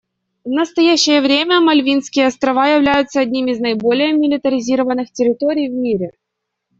В настоящее время Мальвинские острова являются одними из наиболее милитаризированных территорий в мире.